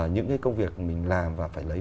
những cái công việc mình làm và phải lấy